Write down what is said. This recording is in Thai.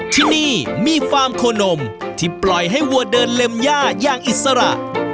ที่นี่มีฟาร์มโคนมที่ปล่อยให้วัวเดินเล็มย่าอย่างอิสระ